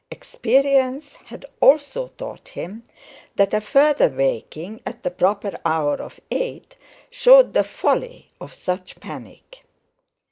Experience had also taught him that a further waking at the proper hour of eight showed the folly of such panic.